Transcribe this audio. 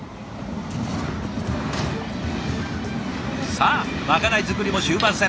さあまかない作りも終盤戦。